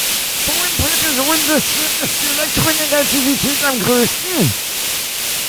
Wo im Periodensystem ist die Elektronegativität am größten?